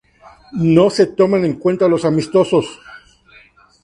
No se toman en cuenta los amistosos.